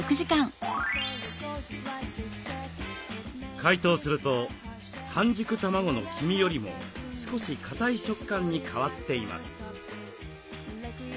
解凍すると半熟卵の黄身よりも少しかたい食感に変わっています。